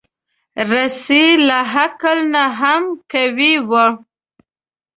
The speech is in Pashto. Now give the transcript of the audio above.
رسۍ له عقل نه هم قوي وي.